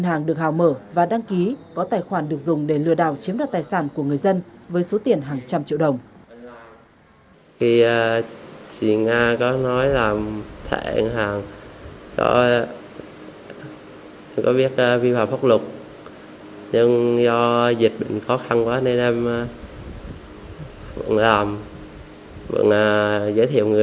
ngân hàng được hào mở và đăng ký có tài khoản được dùng để lừa đào chiếm đoạt tài sản của người dân với số tiền hàng trăm triệu đồng